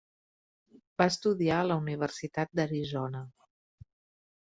Va estudiar a la Universitat d'Arizona.